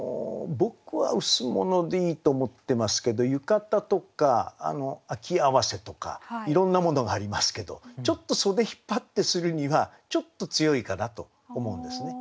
僕は「羅」でいいと思ってますけど「浴衣」とか「秋袷」とかいろんなものがありますけどちょっと袖引っ張ってするにはちょっと強いかなと思うんですね。